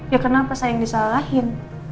ya kenapa saya yang disalahin